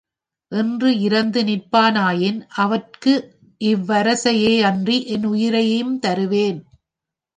என்று இரந்து நிற்பானாயின், அவற்கு இவ்வரசையே யன்றி என் உயிரையும் தருவேன்.